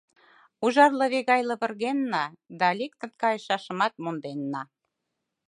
Ужар лыве гай лывыргенна да лектын кайышашымат монденна.